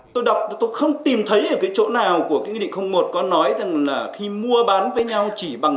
tôi đọc tôi không tìm thấy ở cái chỗ nào của cái nghị định một có nói rằng là khi mua bán với nhau chỉ bằng